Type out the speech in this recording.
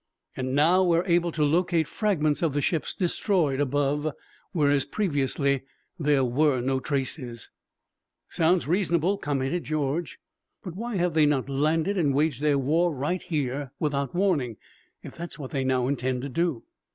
And now we are able to locate fragments of the ships destroyed above, whereas previously there were no traces." "Sounds reasonable," commented George. "But why have they not landed and waged their war right here without warning, if that is what they now intend to do?"